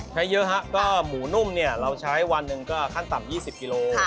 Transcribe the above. ใช้เยอะฮะก็หมูนุ่มเนี่ยเราใช้วันหนึ่งก็ขั้นต่ำ๒๐กิโล